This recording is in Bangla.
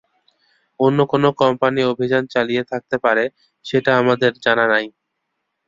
অন্য কোনো কোম্পানি অভিযান চালিয়ে থাকতে পারে, সেটা আমাদের জানা নেই।